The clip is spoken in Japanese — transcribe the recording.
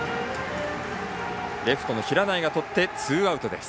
レフトの平内がとってツーアウトです。